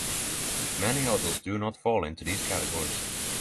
Many others do not fall into these categories.